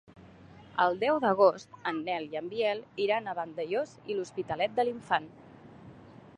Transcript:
El deu d'agost en Nel i en Biel iran a Vandellòs i l'Hospitalet de l'Infant.